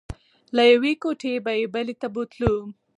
له یوې کوټې به یې بلې ته بوتلو.